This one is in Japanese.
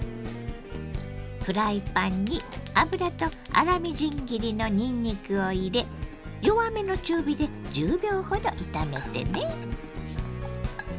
フライパンに油と粗みじん切りのにんにくを入れ弱めの中火で１０秒ほど炒めてね。